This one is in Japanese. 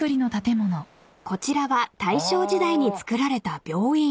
［こちらは大正時代に造られた病院］